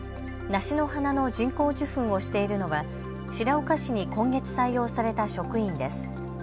梨の花の人工授粉をしているのは白岡市に今月採用された職員です。